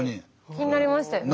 気になりましたよね。